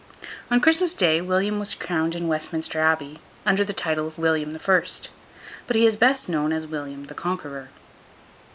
On Christmas Day, William was crowned in Westminster Abbey, under the title of William the First; but he is best known as William the Conqueror.